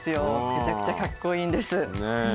めちゃくちゃかっこいいんです。